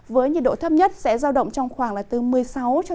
với nhiệt độ thấp nhất sẽ giao động trong khoảng là từ một mươi sáu một mươi bốn độ